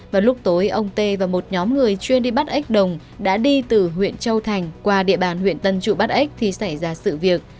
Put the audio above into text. vào lúc tối ông tê và một nhóm người chuyên đi bắt ếch đồng đã đi từ huyện châu thành qua địa bàn huyện tân trụ bắt ếch thì xảy ra sự việc